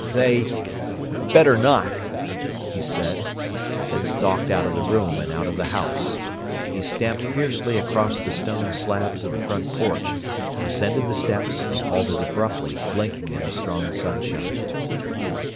"They—they'd better not!" he said, then stalked out of the room, and out of the house. He stamped fiercely across the stone slabs of the front porch, descended the steps, and halted abruptly, blinking in the strong sunshine.